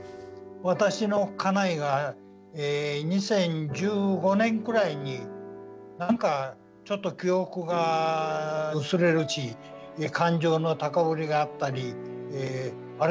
私の家内が２０１５年くらいに何かちょっと記憶が薄れるし感情の高ぶりがあったり「あれ？